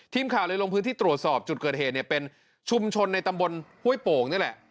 ทีมข่าวเลยลงพื้นที่ตรวจสอบจุดเกิดเหตุเนี่ยเป็นชุมชนในตำบลห้วยโป่งนี่แหละ